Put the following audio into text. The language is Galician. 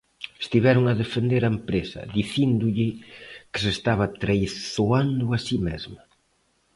Estiveron a defender a empresa, dicíndolle que se estaba traizoando a si mesma.